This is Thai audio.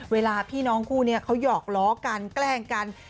เวลาพี่น้องคู่นี้เขาหยอกล้อกันแกล้งกัน